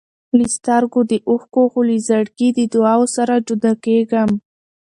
له سترګو د اوښکو، خو له زړګي د دعاوو سره جدا کېږم.